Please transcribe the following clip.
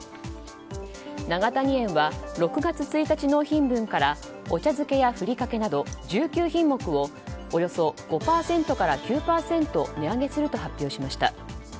永谷園は、６月１日納品分からお茶漬けやふりかけなど１９品目を、およそ５％から９％値上げすると発表しました。